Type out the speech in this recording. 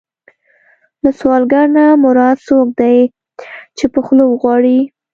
له سوالګر نه مراد څوک دی چې په خوله وغواړي.